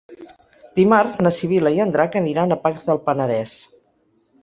Dimarts na Sibil·la i en Drac aniran a Pacs del Penedès.